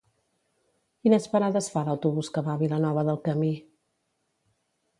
Quines parades fa l'autobús que va a Vilanova del Camí?